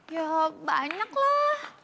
ya banyak lah